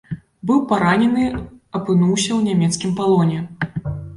Быў паранены, апынуўся ў нямецкім палоне.